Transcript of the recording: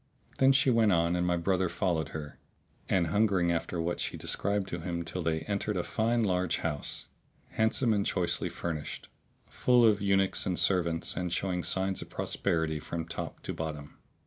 Then she went on and my brother followed her, an hungering after what she described to him till they entered a fine large house, handsome and choicely furnished, full of eunuchs and servants and showing signs of prosperity from top to bottom.